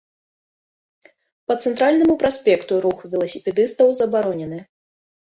Па цэнтральнаму праспекту рух веласіпедыстаў забаронены.